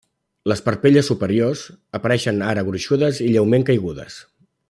Les parpelles superiors apareixen ara gruixudes i lleument caigudes.